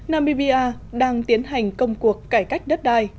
namibia đang tiến hành công cuộc cải cách đất đai